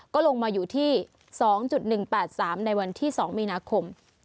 ก็ลงมาอยู่ที่๒๑๘๓ในวันที่๒มีนาคม